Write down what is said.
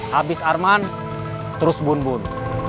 habis arman terus bun bun